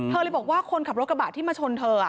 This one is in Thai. เลยบอกว่าคนขับรถกระบะที่มาชนเธอ